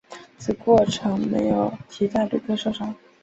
此过程没有其他旅客受伤。